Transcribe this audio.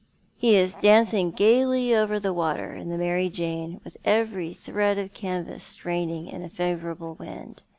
" He is dancing gaily over the water, in the il/or?/ Jane, with every thread of canvas straining in a favourable wind.